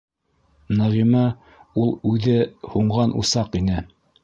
Нәғимә ул үҙе һүнгән усаҡ ине.